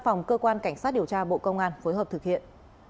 hãy báo ngay cho chúng tôi hoặc cơ quan cảnh sát điều tra bộ công an phối hợp thực hiện